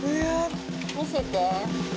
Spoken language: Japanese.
見せて。